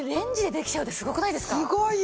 すごいよ。